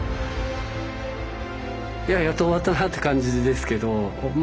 いややっと終わったなって感じですけどま